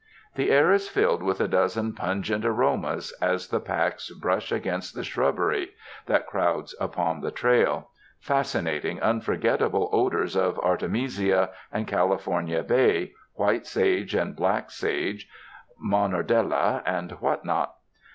The air is filled with a dozen pungent aromas, as the packs brush against the shrubbery that crowds upon the trail — fascinating, unforgetta ble odors of artemisia and California l)ay, white sage and black sage, monardella and what not.